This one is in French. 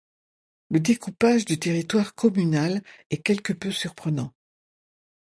Le découpage du territoire communal est quelque peu surprenant.